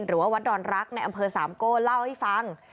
หรือว่าวัดดอนรักในอำเภอสามโก้เล่าให้ฟัง